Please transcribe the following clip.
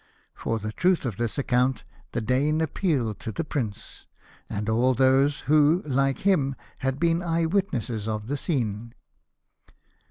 For the truth of this account the Dane appealed to the Prince, and all those who, like him, had been eye witnesses of the scene.